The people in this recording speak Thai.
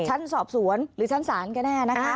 ชั้นสอบสวนหรือชั้นศาลก็แน่นะคะ